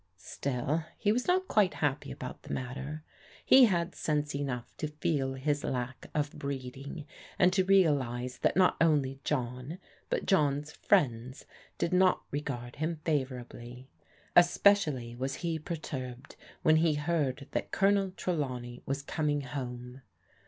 Still he was not quite happy about the matter. He had sense enough to feel his lack of breeding, and to realize that not only John, but John's friends did not re gard him favourably. Especially was he perturbed when he heard that Colonel Trelawney was coming home.